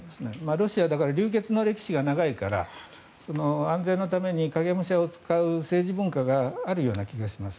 ロシアはだから流血の歴史が長いから安全のために影武者を使う政治文化がある気がします。